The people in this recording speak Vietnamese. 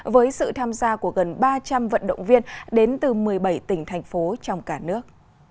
với sự tham gia của gần ba trăm linh vận động viên đến từ một mươi bảy tỉnh thành phố trong cả nước